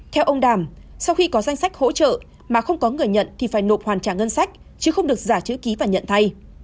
theo ông đàm sau khi có danh sách hỗ trợ mà không có người nhận thì phải nộp hoàn trả ngân sách chứ không được giả chữ ký và nhận thay